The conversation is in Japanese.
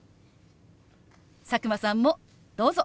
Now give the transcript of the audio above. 佐久間さんもどうぞ！